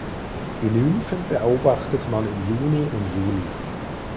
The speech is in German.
Die Nymphen beobachtet man im Juni und Juli.